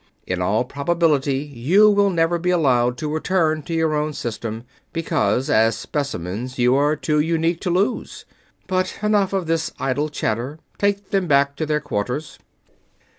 In all probability you will never be allowed to return to your own system, because as specimens you are too unique to lose. But enough of this idle chatter take them back to their quarters!"